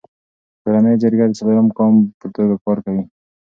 کورنی جرګه د څلورم ګام په توګه کار کوي.